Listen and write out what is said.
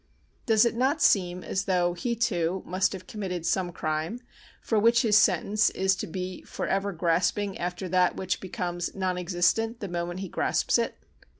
Does it not seem as though he too must have committed some crime for which his sentence is to be for ever grasping after that which becomes non existent the moment he grasps it?